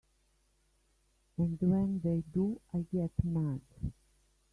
And when they do I get mad.